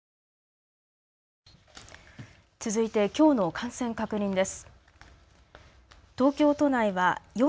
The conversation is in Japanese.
続いて、きょうの感染確認です。